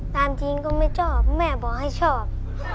จริงก็ไม่ชอบแม่บอกให้ชอบ